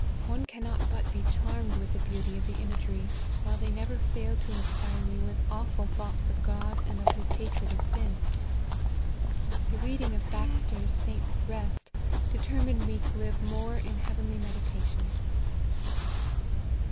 One cannot but be charm ed with the beauty of the imagery, while they never fail to inspire me with awful thoughts of God and of his hatred of sin. The reading of Baxter's o Saint's Rest, determined me to live more in heavenly meditation."